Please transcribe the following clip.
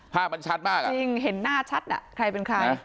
ภาพมันชัดมากอ่ะจริงเห็นหน้าชัดอ่ะใครเป็นใคร